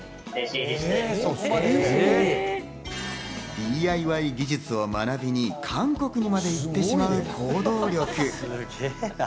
ＤＩＹ技術を学びに韓国まで行ってしまう行動力。